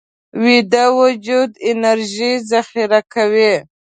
ویده وجود انرژي ذخیره کوي